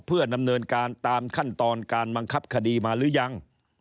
เพื่อดำเนินการตามขั้นตอนการบังคับคดีมาหรือยัง